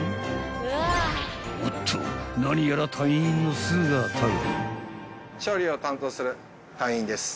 ［おっと何やら隊員の姿が］